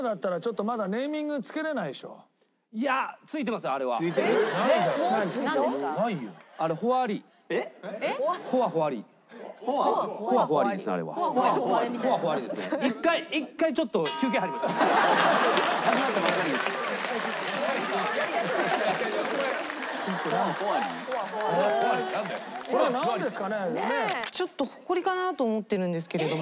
ちょっとホコリかなと思ってるんですけれども。